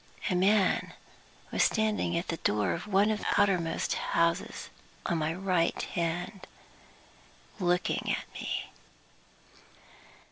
A man was standing at the door of one of the outermost houses on my right hand, looking at me.